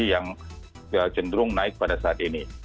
yang cenderung naik pada saat ini